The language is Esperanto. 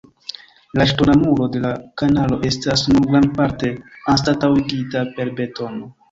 La ŝtona muro de la kanalo estas nun grandparte anstataŭigita per betono.